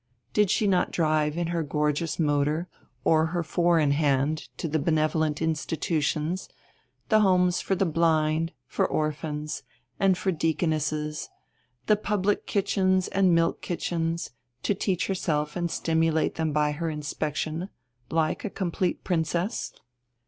Did she not drive in her gorgeous motor or her four in hand to the benevolent institutions, the homes for the blind, for orphans, and for deaconesses, the public kitchens and the milk kitchens, to teach herself and to stimulate them by her inspection, like a complete princess?